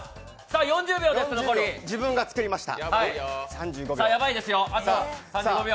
自分が作りました。